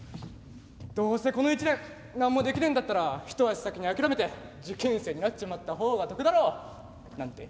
どうせこの１年何もできねえんだったら一足先に諦めて受験生になっちまった方が得だろうなんて。